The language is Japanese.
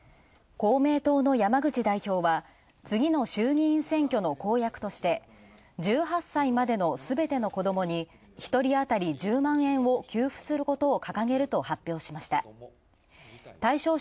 公明党の山口代表は、次の衆議院選挙の公約として、１８さいまでのすべての子供に１人あたり１０万円を給付すること発表。